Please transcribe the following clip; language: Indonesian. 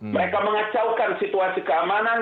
mereka mengecawakan situasi keamanan